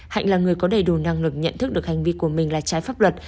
hạnh là người có đầy đủ năng lực nhận thức được hành vi của mình là trái pháp luật